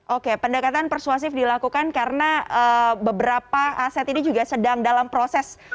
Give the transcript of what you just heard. oke pendekatan persuasif dilakukan karena beberapa aset ini juga sedang dalam proses